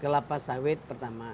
kelapa sawit pertama